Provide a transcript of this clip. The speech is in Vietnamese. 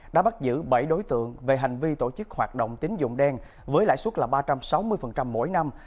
đã bắt giữ bảy đối tượng về hành vi tổ chức hoạt động tín dụng đen với lãi suất là ba trăm sáu mươi mỗi năm